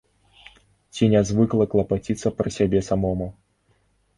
Ці нязвыкла клапаціцца пра сябе самому?